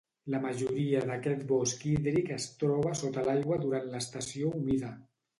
La majoria d'aquest bosc hídric es troba sota l'aigua durant l'estació humida.